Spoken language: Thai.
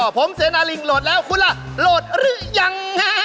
ผมเสนาลิงโหลดแล้วคุณล่ะโหลดหรือยังฮะ